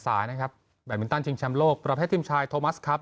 สายนะครับแบตมินตันชิงแชมป์โลกประเภททีมชายโทมัสครับ